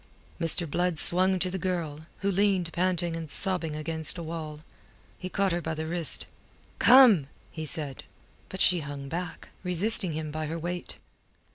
Mr. Blood swung to the girl, who leaned panting and sobbing against a wall. He caught her by the wrist. "Come!" he said. But she hung back, resisting him by her weight.